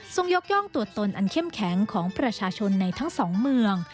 ยกย่องตัวตนอันเข้มแข็งของประชาชนในทั้งสองเมือง